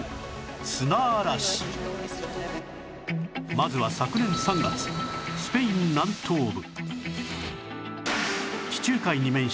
まずは昨年３月スペイン南東部